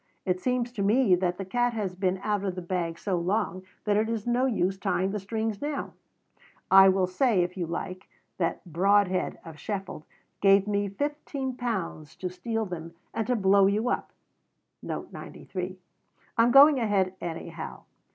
It seems to me that the cat has been out of the bag so long that it is no use tying the strings now. I will say, if you like, that Broadhead of Sheffield gave me £15 to steal them and to blow you up. I am going ahead anyhow."